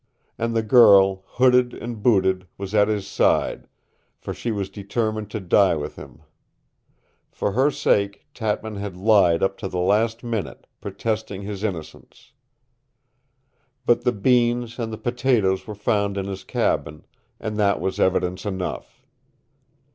And the girl, hooded and booted, was at his side, for she was determined to die with him. For her sake Tatman had lied up to the last minute, protesting his innocence. "But the beans and the potatoes were found in his cabin, and that was evidence enough.